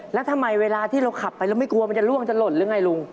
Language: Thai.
แล้วทำไมเวลาที่เราขับไปแล้วไม่กลัวมันจะล่วงจะหล่นหรือไงลุง